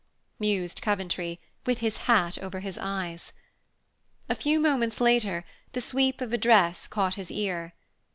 mused Coventry, with his hat over his eyes. A few moments later, the sweep of a dress caught his ear.